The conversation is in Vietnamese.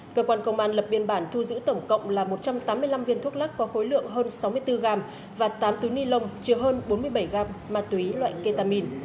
cơ quan công an lập biên bản thu giữ tổng cộng là một trăm tám mươi năm viên thuốc lắc có khối lượng hơn sáu mươi bốn gram và tám túi ni lông chứa hơn bốn mươi bảy gram ma túy loại ketamin